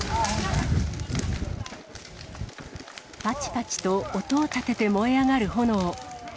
ぱちぱちと音を立てて燃え上がる炎。